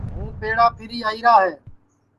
ہُو پیڑا پھری کن آئیرا ہے